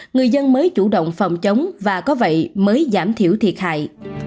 người dân mới chủ động phòng chống và có vậy mới giảm thiểu thiệt hại